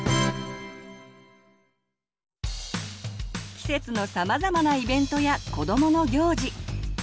季節のさまざまなイベントや子どもの行事。